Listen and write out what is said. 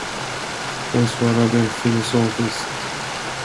Hon svarade filosofiskt.